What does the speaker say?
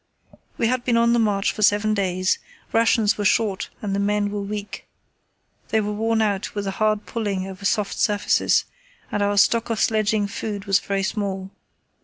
We had been on the march for seven days; rations were short and the men were weak. They were worn out with the hard pulling over soft surfaces, and our stock of sledging food was very small.